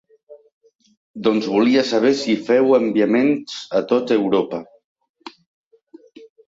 Doncs volia saber si feu enviaments a tot Europa.